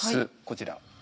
こちら。